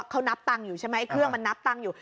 เขานับตังค์อยู่ใช่ไหมเครื่องมันนับตังค์อยู่